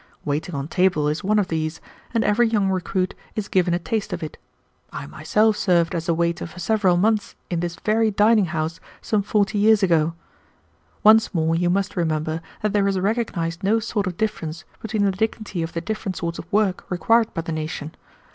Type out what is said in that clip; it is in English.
Waiting on table is one of these, and every young recruit is given a taste of it. I myself served as a waiter for several months in this very dining house some forty years ago. Once more you must remember that there is recognized no sort of difference between the dignity of the different sorts of work required by the nation.